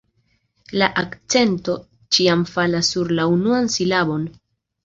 La akcento ĉiam falas sur la unuan silabon.